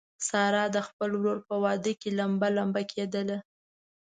ساره د خپل ورور په واده کې لمبه لمبه کېدله.